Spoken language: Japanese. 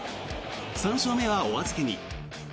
３勝目はお預けに。